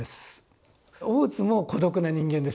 大津も孤独な人間ですよね。